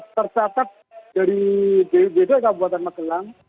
tersatat dari dg kabupaten magelang